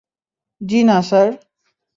জ্বি না স্যার।